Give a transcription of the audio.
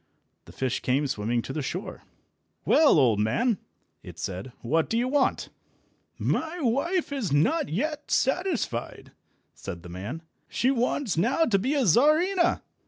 The fish came swimming to the shore. "Well, old man!" it said, "what do you want?" "My wife is not yet satisfied," said the man; "she wants now to be a Czarina."